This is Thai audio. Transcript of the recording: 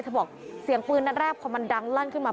บอกเสียงปืนนัดแรกพอมันดังลั่นขึ้นมา